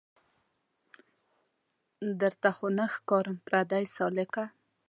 درته خو نه ښکارم پردۍ سالکه